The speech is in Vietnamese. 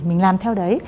mình làm theo đấy